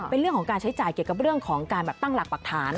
เป็นเรื่องของการใช้จ่ายเกี่ยวกับเรื่องของการตั้งหลักปรักฐาน